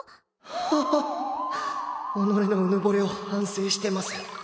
はあ己のうぬぼれを反省してます